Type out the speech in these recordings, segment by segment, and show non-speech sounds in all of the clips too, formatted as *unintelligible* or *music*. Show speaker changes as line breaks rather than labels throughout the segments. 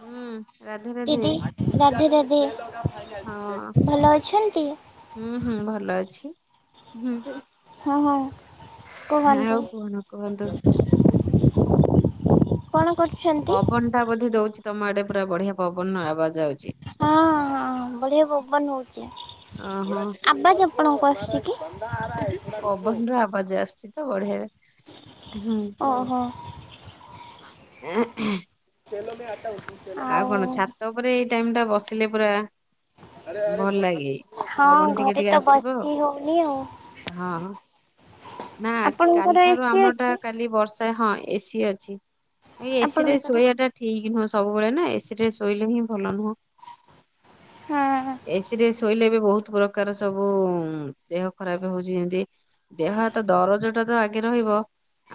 ହୁଁ ରାଧେ ରାଧେ
ଦିଦି, ରାଧେ ରାଧେ।
ହଁ
ଭଲ ଅଛନ୍ତି?
ହୁଁ ହୁଁ, ଭଲ ଅଛି। ହୁଁ।
ହଁ ହଁ,
ଆଉ
କୁହନ୍ତୁ?
କଣ କୁହନ୍ତୁ?
କଣ କରୁଛନ୍ତି?
ପବନ ଟା ବୋଧେ ଦଉଚି ତମ ଆଡେ, ପୁରା ବଢିଆ ପବନ ଆବାଜ ଆଉଚି।
ହଁ ହଁ ବଢିଆ ପବନ ହଉଚି,
ଓହୋ
ଆବାଜ ଆପଣଙ୍କୁ ଆସୁଛି କି?
ପବନର ଆବାଜ ଆସୁଛି ତ ବଢିଆ, ହୁଁ।
ଓହୋ।
ଉଁ ହୁଁ।
*unintelligible*
ଆଉ କଣ, ଛାତ ଉପରେ ଏଇ ଟାଇମ୍ ଟା ବସିଲେ ପୁରା ଭଲ ଲାଗେ,
ହଁ
ପବନ ଟିକେ
ଘରେ
ଟିକେ
ତ
ଆସୁଥିବ
ବସି ହଉନି ଆଉ।
ହଁ, ନା
ଆପଣଙ୍କର
କାଲି ଠାରୁ
ଏସି
ଆମର ଟା
ଅଛି
କାଲି ବର୍ଷ ହଁ ଏସିି ଅଛି, ଏସି ରେ
ଆପଣଙ୍କର?
ଶୋଇବା ଟା ଠିକ ନୁହଁ ସବୁବେଳେ ନା, ଏସି ରେ ଶୋଇଲେ ହିଁ ଭଲ ନୁହଁ।
ହଁ
ଏସିରେ ଶୋଇଲେ ଏବେ ବହୁତ ପ୍ର ପ୍ରକାର ସବୁ ଦେହ ଖରାପ ହଉଚି ଏମ୍ ତି। ଦେହ ହାତ ଦରଜଟାତ ଆଗେ ରହିବ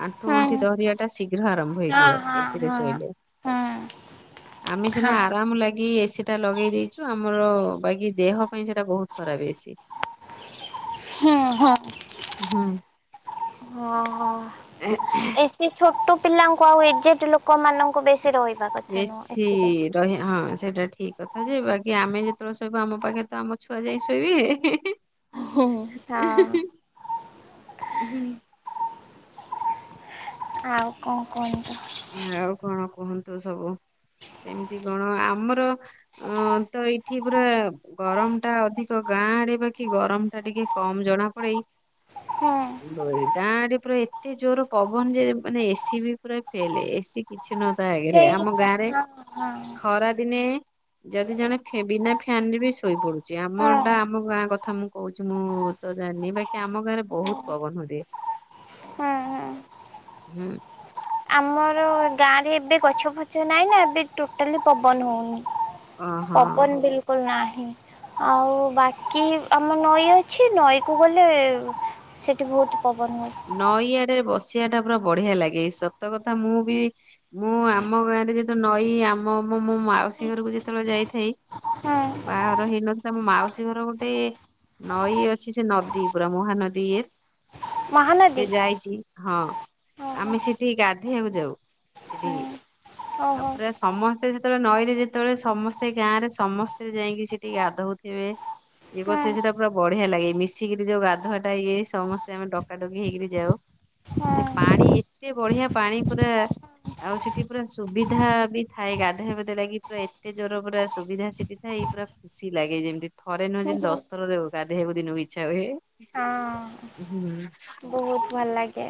ଆଣ୍ଠୁ
ହଁ
ଗଣ୍ଠି ଧରିବା ଟା ଶୀଘ୍ର ଆରମ୍ଭ ହେଇଯିବ,
ହଁ
ଏସିି ରେ
ହଁ
ଶୋଇଲେ।
ହଁ
ଆମେ
ହଁ
ସିନା
ହଁ
ଆରାମ ଲାଗି ଏସି ଟା ଲଗେଇ ଦେଇଚୁ, ଆମର ବାକି ଦେହ ପାଇଁ ସେଟା ବହୁତ ଖରାପ୍ ଏସି।
ହୁଁ ହଁ,
ହୁଁ।
ହଁ ହଁ ଏସି ଛୋଟ ପିଲାଙ୍କୁ ଆଉ ଏଜେଡ୍ ଲୋକ ମାନଙ୍କୁ ବେଶ୍ ସି ରହିବା କଥା ନୁହଁ, ଏସିରେ।
ରହିବେ, ହଁ ସେଇଟା ଠିକ କଥା ଯେ, ବାକି ଆମେ ଯେତେବେଳେ ଶୋଇବୁ, ଆମ ପାଖେରେ ତ ଆମ ଛୁଆ ଯାଇ ଶୋଇବେ।
ହୁଁ।
ଏ ହେ
ହଁ
ହେ *unintelligible* ହୁଁ
ଆଉ କଣ କୁହନ୍ତୁ?
ଆଉ କଣ କୁହନ୍ତୁ ସବୁ? କେମିତି କଣ? ଆମର ଅଁ ତ ଏଇଠି ପୁରା ଗରମ ଟା ଅଧିକ, ଗାଁ ଆଡେ ବାକି ଗରମ ଟା ଟିକେ କମ ଜଣାପଡେଇ।
ହଁ
ଗାଁ ଆଡେ ପୁରା ଏତେ ଯୋର୍ ପବନ ଯେ ମାନେ ଏସିି ବି ପୁରା ଫେଲେ, ଏସିି କିଛି ନୁହଁ ତା ଆଗେରେ,
ସେଇ
ଆମ
ତ
ଗାଁରେ
ହଁ ହଁ।
ଖରାଦିନେ ଯେଦି ଜଣେ ଫେ ବିନା ଫ୍ୟାନ୍ ରେ ବି ଶୋଇ ପଡୁଚି
ହଁ
ଆମଟା ଆମ ଗାଁ କଥା ମୁଁ କୋଉଚି ମୁଁ ତ ଜାଣିନି ବାକି ଆମ ଗାଁରେ
ହଁ
ବୋହୁତ୍ ପବନ ଦିଏ
ହଁ ହଁ।
ହୁଁ।
ଆମର ଓ ଗାଁରେ ଏବେ ଗଛ ଫଛ ନାଇଁନା ଏବେ ଟୋଟାଲି ପବନ ହୋଉନି।
ଓହଁ
ପବନ୍ ବିଲ୍ କୁଲ୍ ନାହିଁ। ଆଉ ବାକି ଆମ ନଈ ଅଛି ନଈ କୁ ଗଲେ ସେଠି ବୋହୁତ୍ ପବନ୍ ହୁଏ।
ନଈଆଡେ ବସିବାଟା ପୁରା ବଢିଆ ଲାଗେ ସତକଥା ମୁଁ ବି ମୁଁ ଆମ ଗାଁରେ ଯେତେ ନଈ ଆମ ମୋ ମୋ ମାଉସୀ ଘରୁକୁ ଯେତେବେଳେ ଯାଇଥାଇ
ହୁଁ
ବାଆଘର ହେଇନଥିଲା ମୋ ମାଉସୀ ଘର ଗୋଟେ ନଈ ଅଛି ସେ ନଦୀ ପୁରା ମହାନଦୀ ଇଏର୍ ସେ
ମହାନଦୀ
ଯାଇଛି ହଁ
ଓହୋ
ଆମେ ସେଠି ଗାଧେଇଆକୁ ଯାଉ
ହୁଁ
ସେଠି
ଓହୋ
ଅପ୍ରାସ୍ ସମସ୍ତେ ଯେତେବଳେ ନଈରେ ଯେତେବଳେ ସମସ୍ତେ ଗାଁ ରେ ସମସ୍ତେ ଯାଇଁକି ସେଠି ଗାଧଉଥିବେ ଇଏ
ହୁଁ
କୋଉଥିଲେ ସେଟା ପୁରା ବଢିଆ ଲାଗେ ମିଶିକିରି ଯୋଉ ଗାଧୁଆଟା ଇଏ ସମସ୍ତେ ଆମେ ଡ ଡକା ଡକି ହେଇକିରି ଯାଉ
ହୁଁ।
ସେ ପାଣି ଏତେ ବଢିଆ ପାଣି ପୁରା ଆଉ ସେଠି ପୁରା ସୁବିଧା ବି ଥାଏ ଗାଧେଆପାଧେଆ ଲାଗି ପୁରା ଏତେ ଜୋର ପୁରା ସୁବିଧା ସେଠିଥାଇ ପୁରା ଖୁସିଲାଗେ ଯେମିତି ଥରେ ନୁହଁ ଯେମିତି
ହଁ
ଦଶଥର ଯୋଉ ଗାଧେଇଆକୁ ଦିନୁକୁ ଇଛା ହୁଏ। ଓ ସେ ଯୋଉ
ବୋହୁତ୍ ଭଲ୍ ଲାଗେ।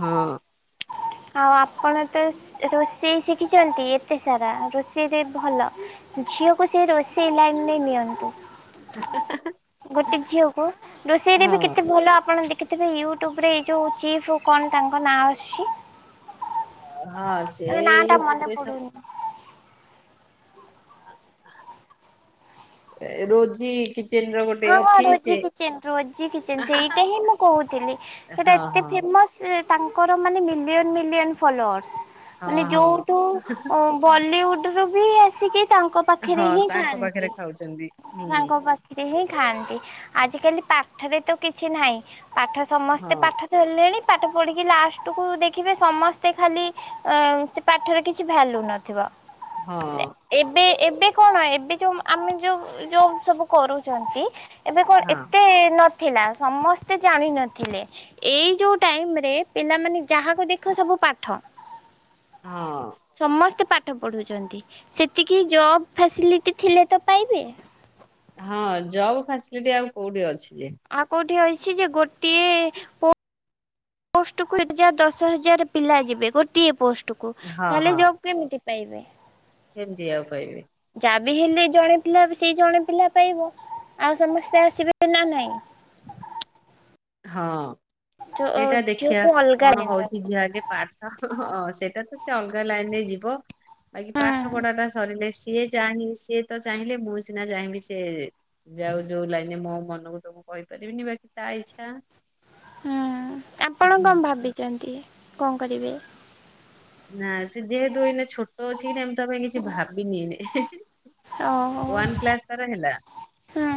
ହଁ।
ଆଉ ଆପଣ ତ ସ୍ ରୋଷେଇ ଶିଖିଚନ୍ତି ଏତେସାରା ରୋଷେଇରେ ଭଲ। ଝିଅକୁ ସେଇ ରୋଷେଇ ଲାଇନ୍ ରେ ନିଅନ୍ତୁ। ଗୋଟେ ଝିଅକୁ ରୋଷେଇରେ ବି
ହଁ
କେତେ ଭଲ ଆପଣ ଦେକି ଥିବେ ୟୁଟ୍ୟୁବରେ ଏଇ ଯୋଉ ଚିଫ୍ ହୋଉ କଣ୍ ତାଙ୍କ ନାଁ ଆସୁଛି?
ହଁ ସେ
ଏବେ ନାଁ ଟା ମନେ
ୟୁଟ୍ୟୁବରେ ସ
ପଡୁନି।
ଏ ରୋଜି କିଚେନ୍ ର ଗୋଟେ
ହଁ
ଅ
ହଁ ରୋଜି କିଚେନ୍ ରୋଜି କିଚେନ୍ ସେଇଟା ହିଁ ମୁଁ କୋହୁଥିଲି ଯୋଉଟା
ହଁ
ଏତେ
ହଁ
ଫେମସ୍ ସେ ତାଙ୍କର ମାନେ ମିଲିୟନ୍ ମିଲିୟନ୍ ଫଲୋର୍ସ
ହଁ
ମାନେ
ହଁ
ଯୋଉଠୁ ଅଁ ବଲିଉଡ୍ ରୁ ବି ଆସିକି ତାଙ୍କ ପାଖେରେ
ହଁ
ହିଁ
ତାଙ୍କ ପାଖରେ
ଖାଆନ୍ତି
ଖାଉଛନ୍ତି ହୁଁ
ତାଙ୍କ ପା ଖେରେ ହିଁ ଖାଆନ୍ତି ଆଜିକାଲି ପାଠରେ ତ କିଛି ନାହିଁ ପାଠ ସମସ୍ତେ
ହଁ
ପାଠ ହେଲେଣି ପାଠ ପଢ଼ିକି ଲାଷ୍ଟୁକୁ ଦେଖିବେ ସମସ୍ତେ ଖାଲି ଅଁ ସେ ପାଠରେ କିଛି ଭ୍ୟାଲୁ ନଥିବ।
ହଁଅଁ।
ଏବେ ଏବେ କଣ ଏବେ ଯୋଉ ଆମେ ଯୋଉ ଯୋଉ ସବୁ କରୋଉଛନ୍ତି। ଏବେ କଁ
ହଁ
ଏତେ ନଥିଲା ସମସ୍ତେ ଜାଣିନଥିଲେ। ଏଇ ଯୋଉ ଟାଇମ୍ ରେ ପିଲାମାନେ ଯାହାକୁ ଦେଖ ସବୁ ପାଠ।
ହଁ।
ସମସ୍ତେ ପାଠ ପଢୁଚନ୍ତି ସେତିକି ଜବ୍ ଫ୍ୟାସିଲିଟି ଥିଲେ ତ ପାଇବେ।
ହଁ ଜବ୍ ଫ୍ୟାସିଲିଟି ଆଉ କୋଉଠି ଅଛି ଯେ?
ଆଉ କୋଉଠି ଅଛି ଯେ ଗୋଟିଏ ପୋ ପୋଷ୍ଟକୁ ଏକ୍ଜା ଦଶ ହଜାରେ ପିଲା ଯିବେ ଗୋଟିଏ ପୋ ତୋକୁ
ହଁ
ତାହେଲେ ଜବ୍ କେମିତି ପାଇବେ?
କେମ୍ତି ଆଉ ପାଇବେ?
ଯା ବିି ହେଲେ ଜଣେ ପିଲା ବି ସେଇ ଜଣେ ପିଲା ପାଇବ ଆଉ ସମସ୍ତେ ଆସିବେ ନା ନ୍ହାଇଁ।
ହଁ ସେଇଟା ଦେଖିବା
ଝିଅକୁ ଅଲଗା
କଣ
ନିଅନ୍ତି।
ହଉଛି ଝିଅ ଆଗେ ପାଠ ହଁ ସେଇଟା ତ ସେ ଅଲଗା ଲାଇନ ରେ ଯିବ ବାକି ପାଠ ପଢା ଟା ସରିଲେ ସିଏ ଚାହିଁ ସିଏ ତ ଚାହିଁଲେ ମୁଁ ସିନା ଚାହିଁବି ସେ ଯାଉ ଯୋଉ ଲାଗନ ମୋ ମନକୁ ତ ମୁଁ କହିପାରିବିନି ବାକି ତା ଇଚ୍ଛା।
ହୁଁ ଆପଣ କଣ ଭାବିଛନ୍ତି କଅ କରିବେ?
ନା ସେ ଯେହେତୁ ଏଇନେ ଛୋଟ ଅଛି କି ନା ମୁଁ ତା ପାଇଁ କିଛି ଭାବିନିି ଏଇନେ।
ଓହୋ
ୱାନ୍ କ୍ଲାସ ତାର ହେଲା।
ହୁଁ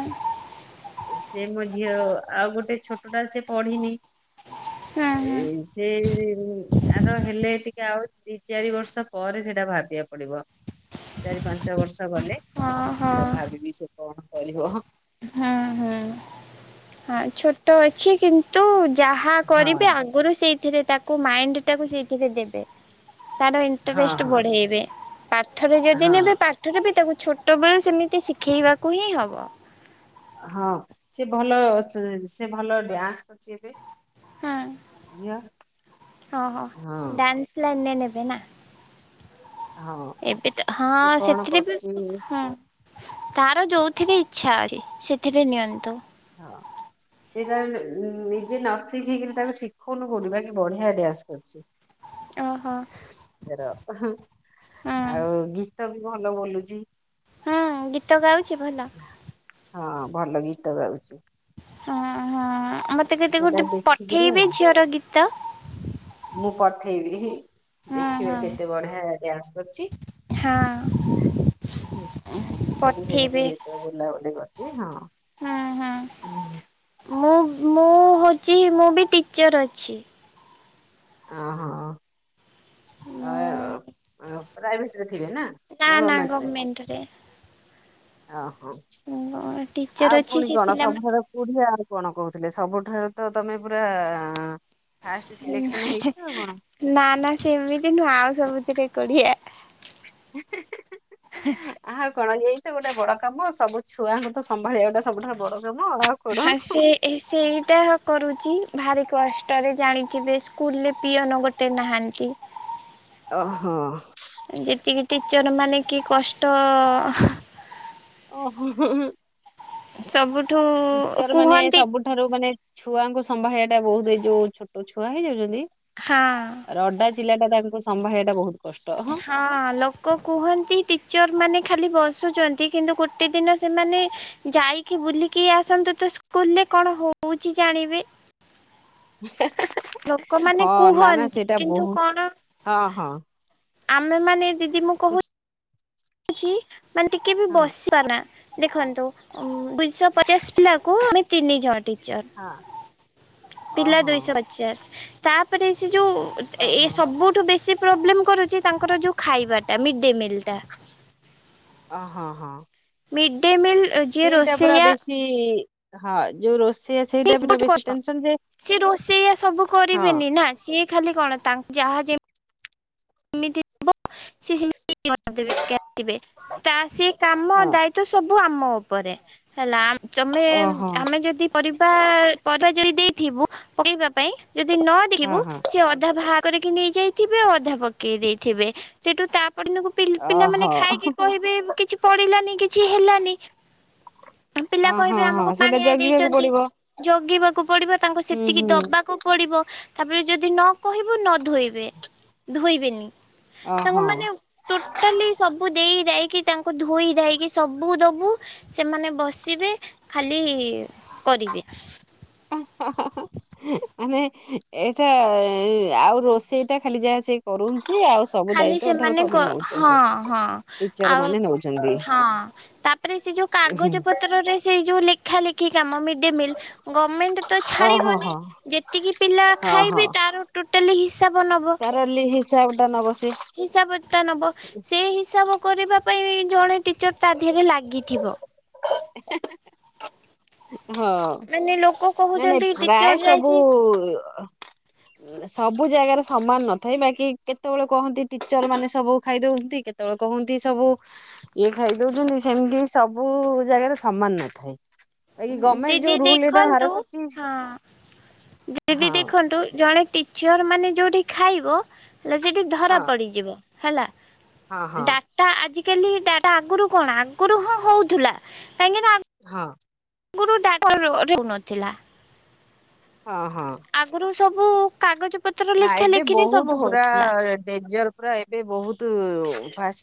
ସେ ମୋ ଝିଅ ଆଉ ଗୋଟେ ଛୋଟଟା ସେ ପଢିନି।
ହୁଁ ହୁଁ
ଏଇ ସେ ଆର ହେଲେ ଟିକେ ଆଉ ଦି ଚାରି ବର୍ଷ ପରେ ସେଟା ଭାବିବାକୁ ପଡିବ। ଚାରି ପାଞ୍ଚ ବର୍ଷ ଗଲେ
ଓହୋ
ସେଟା ଭାବିବି ସେ କଣ କରିବ।
ହୁଁ ହୁଁ ହଁ ଛୋଟ ଅଛି କିନ୍ତୁ ଯାହା କରିବି ଆ
ହଁ
ଗୁରୁ ସେଇଥିରେ ତାକୁ ମାଇଣ୍ଡ ଟାକୁ ସେଇଥିରେ ଦେବେ। ତାର
ହଁ
ଇଣ୍ଟରେଷ୍ଟ
ହଁ
ବଢେଇବେ ପାଠରେ ଯଦି
ହଁ
ନେବେ ପାଠ ପାଠରେ ବି ତାକୁ ଛୋଟବେଳୁ ସେମିତି ଶିଖେଇବାକୁ ହିଁ ହବ।
ହଁ ସେ ଭଲ ସେ ଭଲ ଡ୍ୟାନ୍ସ କରୁଛି ଏବେ
ହଁ
ଝିଅ
ହଁ ହ
ହଁ
ଡ୍ୟାନ୍ସ ଲାଇନରେ ନେବେ ନା।
ହଁ
ଏବେ ତ ହଁ
ସେ କଣ
ସେଥିରେ ବି
କରୁଛି
ହଁ। ତାର ଯୋଉଥିରେ ଇଚ୍ଛା ଅଛି ସେଥିରେ ନିଅନ୍ତୁ।
ହଁ। ସିଏ ତା ନିଜେ ନ ଶିଖେଇକିରି ତାକୁ ଶିଖଉନୁ କଉଠୁ ବାକି ବଢିଆ ଡ୍ୟାସ କରୁଛି।
ଓହୋ।
ତେର ହଁ
ହୁଁ
ଆଉ ଗୀତ ବି ଭଲ ବୋଲୁଛି।
ହୁଁ ଗୀତ ଗାଉଛି ଭଲ।
ହଁ ଭଲ ଗୀତ ଗାଉଛି।
ହ ହଁ ମତେ କେତେ
ସେଟା
ଗୋଟେ
ଦେଖିକିରି ଆଉ
ପଠେଇବେ ଝିଅର ଗୀତ।
ମୁଁ ପଠେଇବି
ହୁଁ
ଦେଖିବେ
ହୁଁ
କେତେ ବଢିଆ ଡ୍ୟାନ୍ସ କରୁଛି।
ହଁ।
ହୁଁ ଗୀତ ବି ସେମିତି
ପଠେଇବେ
ଭତରେ ବୁଲାବୁଲି କରୁଛି ହଁ।
ହୁଁ ହୁଁ। ମୁଁ ମୁଁ ହଉଛି ମୁଁ ବି ଟିଚର ଅଛି।
ଅହୋ।
ନା
ଅ ପ୍ରାଇଭେଟ ରେ ଥିବେ ନା ନା ଗମେଣ୍ଟରେ।
*unintelligible*
ଅହୋ
ଟିଚର
ଆଉ
ଅଛି
ପୁଣି
ସେ
କଣ
ପିଲାମାନେ
ସବୁଠାରେ କୋଡିି ଆ କଣ କହୁଥିଲେ ସବୁଠାରୁ ତ ତମେ ପୁରା ଫାଷ୍ଟ ସିଲେକ୍ସନ ହେଇଛ
ନାଇଁ
ଆଉ କଣ?
ନା ନା ସେମିତି ନୁହଁ ଆଉ ସବୁଥିରେ କୁଢିଆ।
ହେଁ ହେଁ। ଆଉ କଣ ଏଇତ ଗୋଟେ ବଡ କାମ ସବୁ ଛୁଆଙ୍କୁ ତ ସମ୍ଭାଳିିବା ଗୋଟେ ସବୁଠାରୁ ବଡ କାମ ଆଉ। କଣ
ହା ସେ ଏ ସେଇଟା କରୁଛି ଭାରି କଷ୍ଟରେ ଜାଣିକିବି ସ୍କୁଲରେ ପିଅନ ଗୋଟେ ନାହାନ୍ତି।
ଓହୋ।
ଯେତିକି ଟିଚର ମାନେ କି କଷ୍ଟ
ଓହୋ ହୁଁ ହୁଁ।
ଚବୁରୁ
ଟିଚର ମାନେ ସବୁ ଠାରୁ ମାନେ ଛୁଆଙ୍କୁ ସମ୍ଭାଳିବା ଟା ବହୁତ ଏଇ ଯୋଉ ଛୋଟ ଛୁଆ ହେଇଯାଉଛନ୍ତି
ହଁ।
ରଡା ଚିଲା ଟା ତାଙ୍କ ସମ୍ଭୟ ଟା ବହୁତ
ହଁ ହାଲୋ। କୁହନ୍ତି ଟିଚର୍ ମାନେ ଖାଲି ବସୁଛନ୍ତି କିନ୍ତୁ ଗୋଟେ ଦିନ ସେମାନେ ଯାଇକି ବୁଲିକି ଆସନ୍ତୁ ତ ସ୍କୁଲରେ କଣ ହଉଛି ଜାଣିବେ
*unintelligible*
ଲୋକମାନେ
ହଁ ନା ନା
କୁହନ୍ତି
ସେଇଟା
କିନ୍ତୁ
ବହୁତ
କଣ?
ହଁ ହଁ
ଆମେ ମାନେ ଦିଦି ମୁଁ
ସେ
ମାନେ ଟିକେ ବି
ହଁ
ବସି ପାରୁ ନା ଦେଖନ୍ତୁ ଦୁଶହ ପଚାଶ ପିଲାକୁ ଆମେ ତିନି ଜଣ
ହଁ
ଟିଚର ପିଲା
ଓହୋ
ଦୁଇଶହ ପଚାଶ ତାପରେ ସେ ଯୋଉ
ଓହୋ
ଏ ସବୁଠୁ ବେଶୀ ପ୍ରୋବଲେମ କରୁଛି ତାଙ୍କର ଯୋଉ ଖାଇବାଟା ମିଡେ ମିଲ ଟା
ଅ ହଁ ହଁ।
ମିଡେ ମିଲ୍ ଯିଏ
ସେଇଟା ପୁରା
ରୋଷେଆ
ବେଶୀ ହଁ ଯୋଉ ରୋଷେଇ
*inaudible* ସିଏ ରୋଷେଆ ସବୁ
ହଁ
କରିବେନି ନା ସିଏ ଖାଲି କଣ ଯାହା ଯେମିତି *inaudible* ତା ସିଏ କାମ
ହଁ
ଦାୟିତ୍ଵ ସବୁ ଆମ ଉପରେ ହେଲା ତମେ
ଓହୋ
ଆମେ ଯଦି ପରିବା ପରିବା ଯଦି ଦେଇଥିବୁ ପକେଇବା ପାଇଁ ଯଦି ନ
ହଁ
ଦେଖିବୁ
ହଁ
ସିଏ ଅଧା ଭା କରିକି ନେଇ ଯାଇଥିବେ ଅଧା ପକେଇ ଦେଇଥିବେ ସେଇଠୁ ତା ପରଦିନ ପିଲାମାନେ
ଓହୋ
ଖାଇକି କହିବେ କିଛି ପଡିଲାନି କିଛି ହେଲାନି ପିଲା
ହଁ
କହିବେ
ହଁ
ଆମକୁ
ହଁ ସେଇଟା
ପାଣିଆ
ଜଗିବାକୁ
ଦେଇଛନ୍ତି
ପଡିବ
ଜଗିବାକୁ ପଡିବ ତାଙ୍କୁ
ହୁଁ
ସେତିକି
ହୁଁ
ଦବାକୁ ପଡିବ ତାପରେ ଯଦି ନ କହିବୁ ନ ଧୋଇବେ ଧୋଇବେନି ତାଙ୍କୁ
ଓହୋ।
ମାନେ ଟୋଟାଲି ସବୁ ଦେଇ ଯ ଦେଇକି ତାଙ୍କୁ ଧୋଇ ଦେଇକି ସବୁ ଦବୁ ସେମାନେ ବସିବେ ଖାଲି କରିବେ
*inaudible* ମାନେ ଏଇଟା ଆଉ ରୋଷେଇଟା ଖାଲି ଯାହା ସେ କରଉଛି ଆଉ ସବୁ
ଖାଲି
ଦାୟିତ୍ଵ ଧର
ସେମାନେ
ତମେ
ହଁ
ନଉଛ ସବୁ
ହଁ
ଟିଚର
ଆଉ
ମାନେ ନଉଛନ୍ତି।
ହଁ ତା ତା ପରେ ସେ ଯୋଉ କାଗଜ ପତ୍ରରେ ସେଇ ଯୋଉ ଲେଖା ଲେଖି କାମ ମି *inaudible* ଗଭର୍ମେଣ୍ଟ ତ
ହଁ ହଁ
ଛାଡ଼ିବନି
ହଁ
ଯେତିକି ପିଲା
ହଁ
ଖାଇବେ ତାର ଟୋଟାଲି ହିସାବ ନବ।
ରଲି ହିସାବଟା ନବ ସେ
ହିସାବ ଟା ନବ ସେଇ ହିସାବ କରିବା ପାଇଁ ଜଣେ ଟିଚର ତା ଦେହରେ ଲାଗିଥିବ
*inaudible* ହଁ
ମାନେ ଲୋକ
ନାଇ ନାଇଁ
କହୁଛନ୍ତି
ପ୍ରାୟ
ଟିଚର
ସବୁ
ଯାଇକି
ସବୁ ଜାଗାରେ ସମାନ ନଥାଏ ବାକି କେତେବେଳେ କୁହନ୍ତି ଟିଚର ମାନେ ସବୁ ଖାଇ ଦଉଛନ୍ତି କେତେବେଳେ କହନ୍ତି ସବୁ ଇଏ ଖାଇ ଦଉଛନ୍ତି ସେମିତି ସବୁ ଜାଗାରେ ସମାନ ନଥାଏ ବାକି ଗଭର୍ଣ୍ଣମେଣ୍ଟ
ଦିଦି
ଯୋଉ ରୁଲ ଏଇଟା ବାହାର
ଦେଖନ୍ତୁ
କରିଛି
ହଁ। ଦିଦି
ହଁ
ଦେଖନ୍ତୁ ଜଣେ ଟି ଚିର ମାନେ ଯୋଉଠି ଖାଇବ ହେଲେ ସେଠି ଧରା
ହଁ
ପଡିଯିବ ହେଲା
ହଁ ହଁ
ଡା ତା ଆଜିକାଲି ଡ଼ାଟା ଆଗରୁ କଣ ଆଗରୁ ହଁ ହଉଥିଲା କାହିଁକି ନା
ହଁ।
ଆଗୁରୁ *inaudible* ରହୁନଥିଲା।
ହଁ ହଁ।
ଆଗରୁ ସବୁ କାଗଜପତ୍ର
ନା
ଲେଖା
ଏବେ
ଲେଖିରେ
ବହୁତ
ସବୁ
ପୁରା
ହଉଥିଲା।
ଡେଞ୍ଜର ପୁରା ଏବେ ବହୁତୁ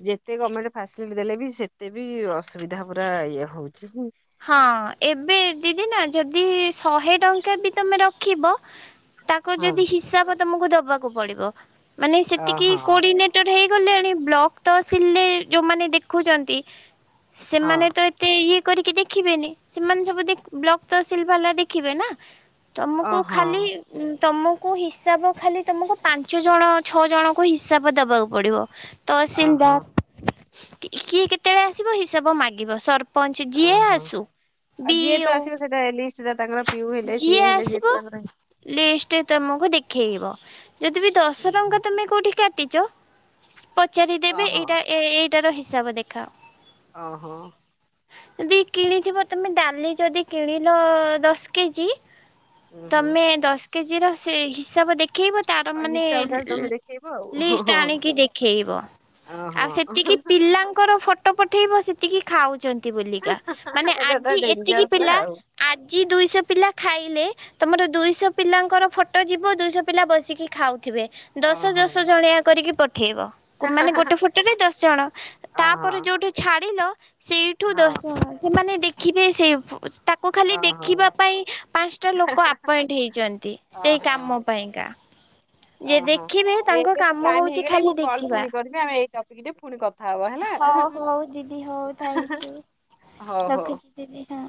ଯେତେ ଗମେଣ୍ଟ ଫାସିଲିଟି ଦେଲେ ବି ସେତେ ବି ଅ ସୁବିଧା ପୁରା ଇଏ ହଉଛି।
ହଁ ଏବେ ଦିଦି ନା ଯଦି ଶହେ ଟଙ୍କା ବି ତମେ ରଖିବ। ତାକୁ ଯଦି ହିସାବ ତମକୁ ଦବାକୁ ପଡିବ ମାନେ ସେତିକି
ଓହୋ
କୋଡିନେଟ ହେଇଗଲେଣି ବ୍ଲକ୍ ତ ଆସିଲେ ଯୋଉମାନେ ଦେଖୁଛନ୍ତି
ହଁ
ସେମାନେ ତ ଏତେ ଇଏ କରିକି ଦେଖିବେନି ସେମାନେ ସବୁ ବ୍ଲକ ତହସିଲ ଭଲା ଦେଖିବେ ନା? ତମକୁ
ଓହୋ
ଖାଲି ଉଁ ତମକୁ ହିସାବ ଖାଲି ତମକୁ ପାଞ୍ଚ ଜଣ ଛଅ ଜଣଙ୍କୁ ହିସାବ ଦବାକୁ ପଡିବ।
ଓହୋ
ତହସିଲଦାର କିଏ କେତେବେଳେ ଆସିବ ହିସାବ ମାଗିବ ସରପଞ୍ଚ ଯିଏ
ଓହୋ ଆଉ ଯିଏ ତ
ବିଓ।
ଆସିବ ଲିଷ୍ଟ ତାଙ୍କର ପିଉ ହେଲେ ସିଏ ହେଲେ ଯିଏ
ଆସିବ
ତାଙ୍କର
ଲିଷ୍ଟ ତମକୁ ଦେଖେଇବ ଯଦି ବି ଦଶ ଟଙ୍କା ତମେ କୋଉଠି କାଟିଛ? ପଚାରିଦେବେ
ଓହୋ
ଏଇଟା ଏଇଟାର ହିସାବ ଦେଖାଅ।
ଓହୋ।
ଯଦି କିଣିଥିବ ତମେ ଡାଲି ଯଦି କିଣିଲ ଦଶ କେଜି।
ହୁଁ ହୁଁ
ତମେ ଦଶ କେଜିର ସେ ହିସାବ ଦେଖେଇବ ତାର
ଆଉ
ମାନେ
ହିସାବ ଟା ତମେ ଦେଖେଇବ
ଲିଷ୍ଟ
ଆଉ
ଆଣିକି ଦେଖେଇବ? ଆଉ
ଓହୋ
ସେତିକି ପିଲାଙ୍କର ଫ ଟ ପଠେଇବ ସେତିକି ଖାଉଛନ୍ତି ବଲିକା ମାନେ
ଏଟା ଟା
ଆଜି
ଡେଞ୍ଜର
ଏତିକି
ପୁରା
ପିଲା
ଆଉ
ଆଜି ଦୁଇଶହ ପିଲା ଖାଇଲେ। ତମର ଦୁଇଶହ ପିଲାଙ୍କର ଫଟୋ ଯିବ ଦୁଇଶହ ପିଲା ବସିକି ଖାଉଥିବେ? ଦଶ ଦଶ
ଓହୋ
ଜଣିଆ କରିକି ପଠେଇବ। ମାନେ ଗୋଟେ ଫୁଟରେ ଦଶ ଜଣ
ଅହ
ତାପରେ ଯୋଉଠୁ ଛାଡିଲ ସେଇଠୁ
ହଁ
ଦଶ ଜଣ ସେମାନେ ଦେଖିବେ ସେ ତାକୁ ଖାଲିଖ ଶଖିବା
ଓହୋ
ପାଇଁ ପାଞ୍ଚଟା ଲୋକ ଆପଏଣ୍ଟ ହେଇଛନ୍ତି ସେଇ
ଓହୋ
କାମ ପାଇଁକା। ଯେ
ଓହୋ
ଦେଖିବେ
ଆଉ
ତାଙ୍କ
ଏବେ ତ
କାମ
ଟାଇମ
ହଉଛି
ହେଇଗଲାଣି
ଖାଲି
ମୁଁ କଲ୍
ଦେଖିବା।
ପୁଣି କରିବି ଆମେ ଏଇ ଟପିକରେ ପୁଣି କ
ହଉ ହଉ ଦିଦି ହଉ ଥ୍ୟାଙ୍କୟୁ
ହଉ ହଉ।
ରଖୁଛି ଦିଦି ହଁ।